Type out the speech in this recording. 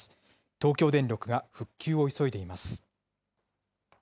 東京電力が復旧を急いでいます。